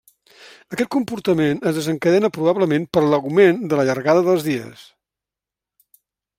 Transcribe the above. Aquest comportament es desencadena probablement per l'augment de la llargada dels dies.